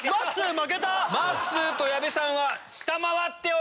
まっすーと矢部さんは下回っております。